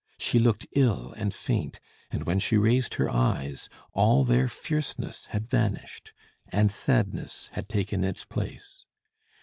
She looked ill and faint, and when she raised her eyes, all their fierceness had vanished, and sadness had taken its place.